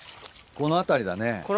この辺りですね。